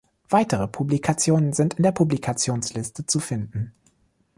Weitere Publikationen sind in der Publikationsliste zu finden.